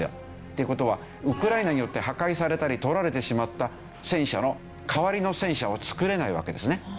っていう事はウクライナによって破壊されたり取られてしまった戦車の代わりの戦車を作れないわけですね。